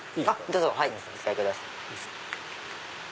どうぞお使いください。